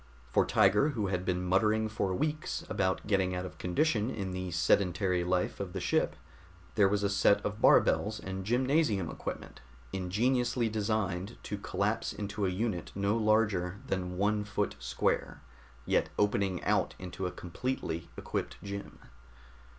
For Tiger, who had been muttering for weeks about getting out of condition in the sedentary life of the ship, there was a set of bar bells and gymnasium equipment ingeniously designed to collapse into a unit no larger than one foot square, yet opening out into a completely equipped gym.